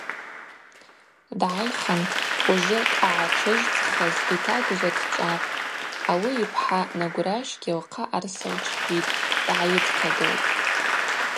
Дгӏайхын, ужвы дъагӏатшыжвцӏхыз йтагвжва дчӏвапӏ, ауи йпхӏа Нагвращгьи лхъа арса лчпитӏ, дгӏайыдзхъагылтӏ.